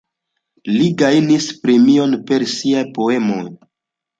Li gajnis premiojn per siaj poemoj.